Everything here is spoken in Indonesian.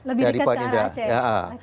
lebih dekat dari aceh